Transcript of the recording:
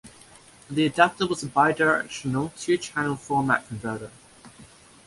The adapter was a bidirectional two-channel format converter.